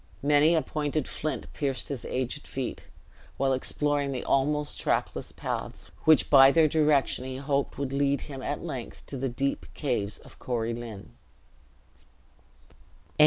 Many a pointed flint pierced his aged feet, while exploring the almost trackless paths, which by their direction he hoped would lead him at length to the deep caves of Corie Lynn.